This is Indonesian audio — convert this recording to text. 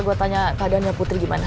buat tanya keadaannya putri gimana